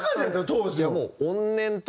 当時は。